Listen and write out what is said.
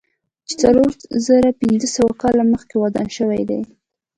چې څلور زره پنځه سوه کاله دمخه ودان شوی دی.